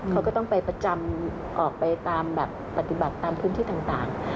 เขาก็ต้องไปประจำออกไปตามแบบปฏิบัติตามพื้นที่ต่าง